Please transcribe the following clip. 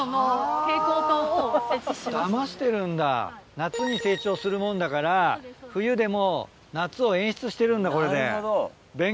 夏に成長するもんだから冬でも夏を演出してるんだこれで。